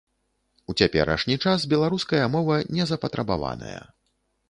У цяперашні час беларуская мова незапатрабаваная.